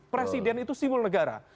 presiden itu simul negara